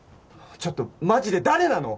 ちょっとマジで誰なの？